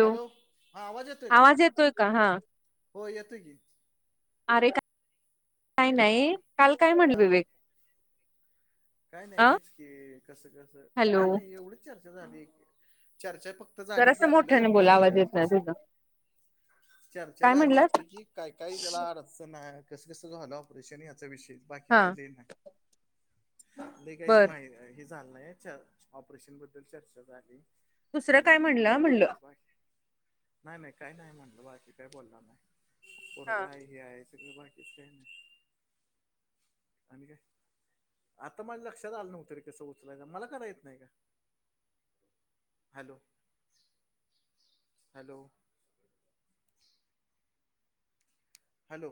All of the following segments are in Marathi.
हॅलो, हा आवाज येतोय का? येतोय का हा हो येतोय की. अरे का काय नाही, काल काय म्हटलं हा विवेक काय नाही, अ हेच की कसं-कसं हॅलो काय नाही एवढीच चर्चा झाली. चर्चा फक्त जर झाली की असं आपलं मोठ्याने बोला काय आवाज कं येत नाही कसं. तुझं चर्चा काय झाली म्हणलास आपली कि काय-काय त्याला आ असं नाही कसं कसं झालं ऑपरेशन याचा विषय बाकी हा काय लय नाही. नही काहीच बर माहि हे झालं नाही, ऑपरेशन बद्दल चर्चा झाली. दुसरं आणि काय म्हणलं म्हणलं एवढंच [unintelligible] नाही- नाही काही नाही म्हटलं बाकी काय बोलणार नाही. हा पोरगं हाय हे हाय सगळं बाकीच काय नाही. आणि काय? आता माझं लक्षात आलं नव्हत रे कसं उचलायच, मला का रं येत नाही का? हॅलो. हॅलो. हॅलो.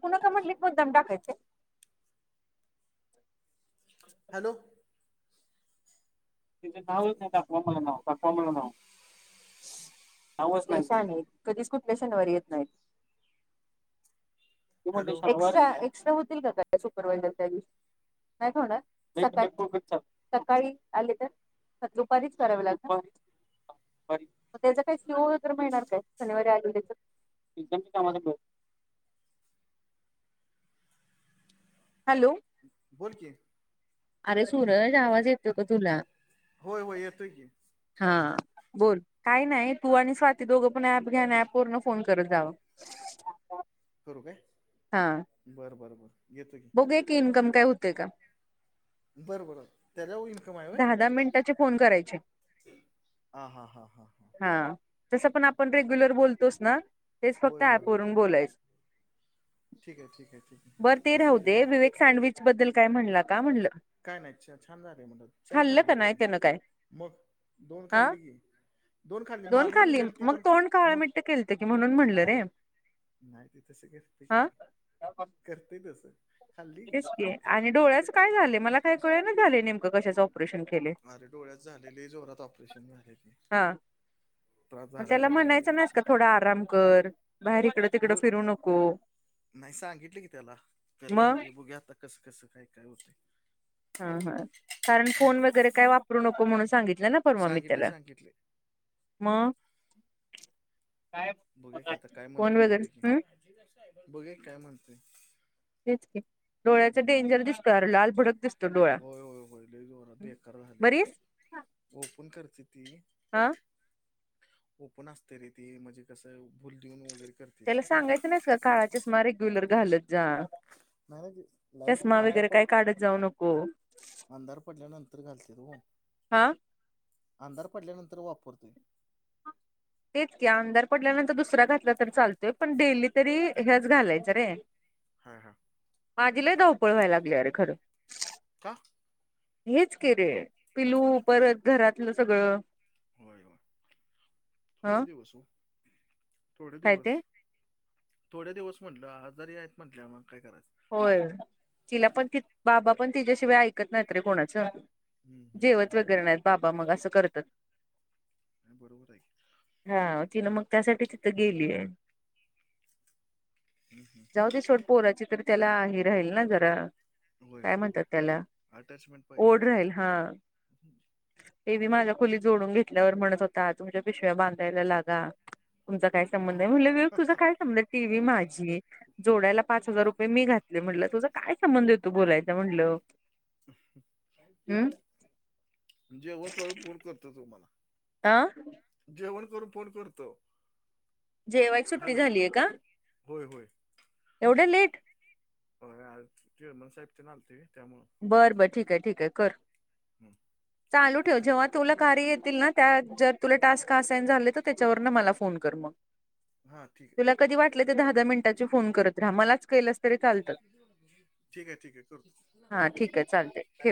पुन्हा का म्हटली मुद्दाम टाकायचय. हॅलो. तिचं नावच नाही, दाखवा मला नाव, पाटवा मला नाव. आवाज नाही. कधीच कुठल्या शनिवारी येत नाहीत. तु हॅलो म्हटली [unintelligible] एक्सट्रा होतील का सुपरवायझर काही नाही खाणार. सकाळी-सकाळी आली तर दुपारीच करावी लाग त्याचं काही सी ओ वैगरे मिळणार काय शनिवारी आली नाय तर? [unintelligible] हॅलो. बोल कि. अरे सूरज, आवाज येतोय का तुला? होय होय येतोय की. हा. बोल काय नाही, तू आणि स्वाती दोघं पण ऍप घ्या अन ऍप वरन फोन करत जावा. करु काय हा. बर बर बर घेतो की. बघुया की इन्कम काय होतय का? बर बर त्याच्यावर इनक दहा दहा मिनिटाचे फोन करायचे, हा हा हा हा हां हा तस पण आपण रेग्युलर बोलतोस ना तेच फक्त होय होय होय ऍपवरून बोलायच. ठीक आहे ठीक आहे ठीक बर आहे ते असं राहू आहे दे, होय विवेक सँडविच बद्दल काय म्हणला का म्हणलं? काय नाय छा छान झालय म्हंटला चार खाल्लं खाल्ली का नाही त्याने त्यानं काय मग दोन हा खाल्ली की दोन खाल्ली मारल दिल्याल ती पण खा म काय की म्हणून म्हणलं रे नाय ते तस करतय हा की, करतय तस तेच की आणि डोळ्याच काय झालय मला काय कळे ना झालय नेमकं कशाच ऑपरेशन केलय. अरे डोळ्याच झालेय लय जोरात ऑपरेशन झालय ते. हा त्रास मग झालाय त्याला वेगळा म्हणायचं नाहीस का थोडा आराम कर. बाहेर इकडं तिकडं मग, फिरू नको नाही सांगितलय की त्याला कर मग म्हणलोय बघुया आता कस कस काय काय होतंय. हा हा कारण फोन वगैरे काय वापरू नको म्हणून सांगितलय ना परवा मी सांगितले त्याला सांगितले मग, काय फोन वैगरे हं बघुया की काय म्हणतोय. तेच की डोळ्याच हम्म. डेंजर दिसतोय, अरे लाल भडक दिसतो डोळा होय होय बरी स. ओपण करतेती आ ओपण असतय रे ते म्हणजे कसं भूल देवुन वगैरे कर त्याला सांगायच नाहीस का काळा चष्मा रेग्युलर घालत जा. नाही बा दिस लाईट चष्मा अंधार वगैरे काय पड काढत जाऊ नको अंधार पडल्यानंतर घालत्यात ओ, हा अंधार पडल्यानंतर वापरतोय. तेच की अंधार पडल्यानंतर दुसरा घातला तर चालतोय पण डेली तरी हेच घालायच रे. [inaudible] हा हा माझी लय धावपळ व्हाय लागली अरे खर का? हेच की रे पिलू, परत घरातलं सगळ होय व, थोडे हं दिवस ओ थोडे काय दिवस. ते थोड दिवस म्हटलं आजारी आहेत म्हटल्यावर मग काय करायच होय तिला पण ती बाबा पण तिच्याशिवाय ऐकत नाहीत रे कोणाच. हम्म, हम्म, हम्म, जेवत वगैरे नाहीत बाबा मग अस करतात. बरोबर आहे की. हा तिन मग त्यासाठी तिथं गेलीये. जाऊ ते सोड पोराची तरी त्याला हे राहील ना जरा होय काय होय होय म्हणतात त्याला अटॅचमेंट पाहिजे ओढ राहील हा. टीव्ही मी माझ्या खोलीत जोडून घेतल्यावर म्हणतं होता तुमच्या पिशव्या बांधायला लागा तुमचा काय संबंध तुझा काय संबंध आहे टीव्ही माझी जोडायला पाच हजार रूपये ये मी घातले म्हटलं तुझा काय संबंध येतो बोलायचा म्हटलं. हम् जेवण करून फोन करतो तुम्हाला. आ जेवण करून फोन करतो. जेवाय सुट्टी हॅलो झालीय का? होय होय. एवढ्या लेट? होय आज चेअरमन साहेब तेन आलते त्यामुळं बर बरं ठीक आहे ठीक आहे कर. हम्म चालू ठेव जेव्हा तुला कार्य येतील ना त्या जर तुला टास्क असायन झाले तर त्याच्यावरन मला फोन कर मग. हा ठीक आहे तुला कधी वाटलं तर दहा दहा मिनिटाची फोन करत राहा मलाच केलस तरी चालतात. ठीक आहे ठीक आहे करतो. हा ठीक आहे चालतंय ठेव